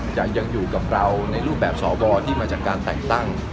ยังอยู่กับเราในรูปแบบสวที่มาจากการแต่งตั้ง